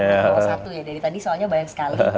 dari tadi soalnya banyak sekali